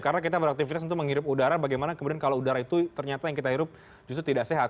karena kita beraktivitas untuk menghirup udara bagaimana kemudian kalau udara itu ternyata yang kita hirup justru tidak sehat